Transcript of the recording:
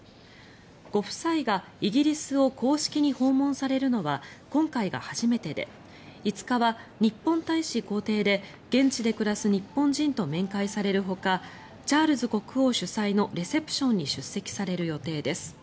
ご夫妻がイギリスを公式に訪問されるのは今回が初めてで５日は日本大使公邸で現地で暮らす日本人と面会されるほかチャールズ国王主催のレセプションに出席される予定です。